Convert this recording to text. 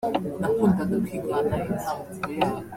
nakundaga kwigana intambuko yabo